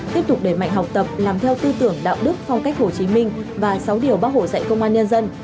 tiếp tục đẩy mạnh học tập làm theo tư tưởng đạo đức phong cách hồ chí minh và sáu điều bác hồ dạy công an nhân dân